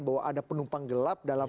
bahwa ada penumpang gelap